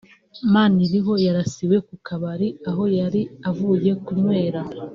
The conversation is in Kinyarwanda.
Maniriho yarasiwe ku kabari aho yari avuye kunywera